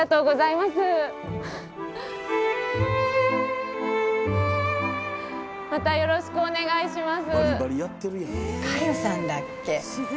またよろしくお願いします。